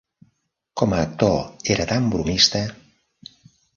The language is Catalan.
Com a actor, era tan bromista.